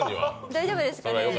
大丈夫ですかね。